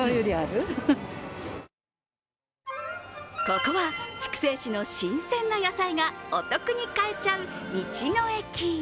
ここは筑西市の新鮮な野菜がお得に買えちゃう道の駅。